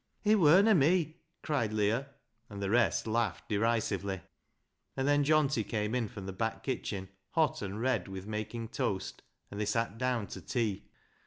It wurna me," cried Leah, and the rest laughed derisively ; and then Johnty came in from the back kitchen hot and red with making toast, and they sat down to tea.